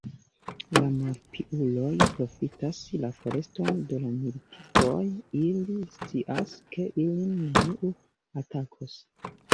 La malpiuloj profitas la foreston de la militistoj, ili scias, ke ilin neniu atakos.